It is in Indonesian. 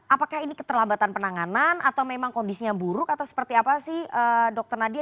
apakah ini keterlambatan penanganan atau memang kondisinya buruk atau seperti apa sih dokter nadia